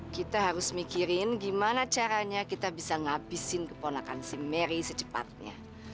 kita harus mikirin gimana caranya kita bisa ngabisin keponakan sing mary secepatnya